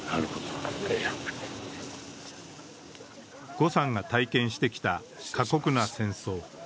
呉さんが体験してきた過酷な戦争。